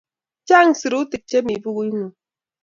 Chaang' sirutik chemi pukuit ngu'ung'.